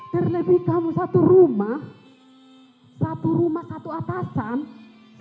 terlebih kamu satu rumah satu rumah satu atasan